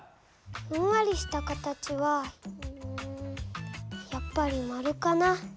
ふんわりした形はうんやっぱり丸かな。